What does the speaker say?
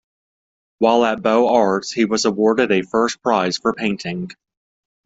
While at Beaux Arts, he was awarded a first prize for painting.